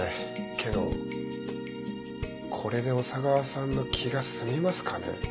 けどこれで小佐川さんの気が済みますかね。